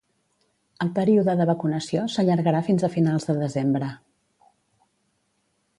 El període de vacunació s'allargarà fins a finals de desembre.